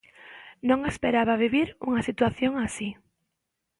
Non esperaba vivir unha situación así.